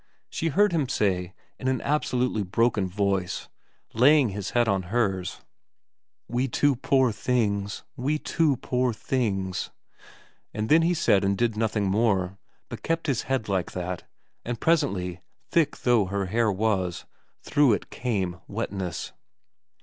She heard him say, in an absolutely broken voice, laying his head on hers, 1 We two poor things we two poor things ' and then he said and did nothing more, but kept his head like that, and presently, thick though her hair was, through it came wetness.